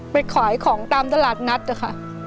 ไปขายของตามตลาดนัดนะคะ